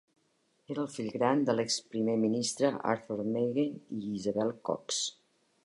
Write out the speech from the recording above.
Era el fill gran de l'exprimer ministre Arthur Meighen i Isabel Cox.